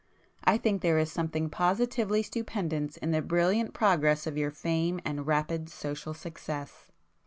I think there is something positively stupendous in the brilliant progress of your fame and rapid social success."